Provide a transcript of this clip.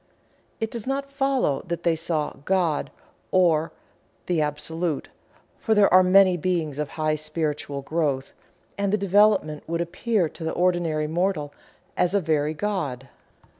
It does not follow that they saw "God" or the Absolute, for there are many Beings of high spiritual growth and development that would appear to the ordinary mortal as a very God.